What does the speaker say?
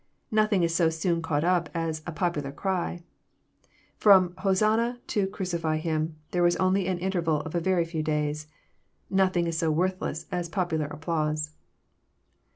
Nothing is so soon caught up as a popular cry. Prom ^'Hosanna " to Crucify Him " there was only an interval of a very few days I Nothing is so worthless as popular applause..